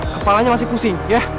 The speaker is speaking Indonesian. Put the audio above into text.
kapalannya masih pusing ya